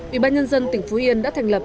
ủy ban nhân dân tỉnh phú yên đã thành lập